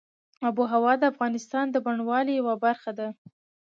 آب وهوا د افغانستان د بڼوالۍ یوه برخه ده.